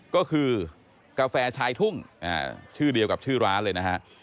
ก็คือกาแฟชายทุ่งชื่อเดียวกับชื่อร้านเลยนะฮะ